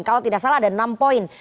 kalau tidak salah ada enam poin